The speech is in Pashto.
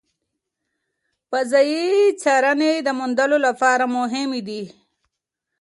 فضایي څارنې د موندلو لپاره مهمې دي.